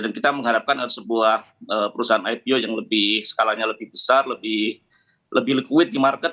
dan kita mengharapkan ada sebuah perusahaan ipo yang lebih skalanya lebih besar lebih liquid di market